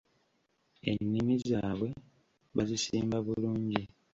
Ennimi zaabwe bazisimba bulungi.